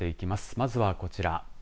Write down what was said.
まずはこちら。